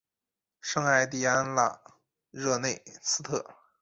圣艾蒂安拉热内斯特。